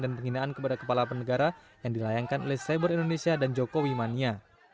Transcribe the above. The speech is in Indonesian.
dan penghinaan kepada kepala penegara yang dilayangkan oleh cyber indonesia dan jokowi mania